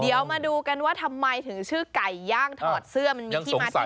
เดี๋ยวมาดูกันว่าทำไมถึงชื่อไก่ย่างถอดเสื้อมันมีที่มาที่